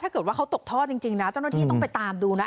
ถ้าเกิดว่าเขาตกท่อจริงนะเจ้าหน้าที่ต้องไปตามดูนะ